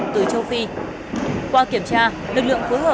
thưa một người